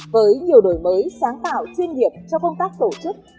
với nhiều đổi mới sáng tạo chuyên nghiệp cho công tác tổ chức